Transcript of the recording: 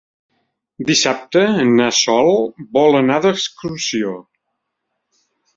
Dissabte na Sol vol anar d'excursió.